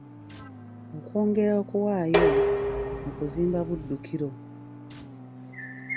Okwongera okuwaayo mu kuzimba Buddukiro.